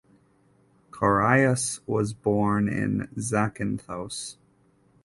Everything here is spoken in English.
Korais was born in Zakynthos.